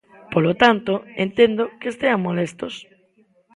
Polo tanto, entendo que estean molestos.